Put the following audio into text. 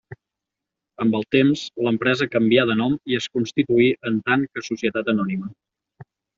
Amb el temps, l'empresa canvià de nom i es constituí en tant que societat anònima.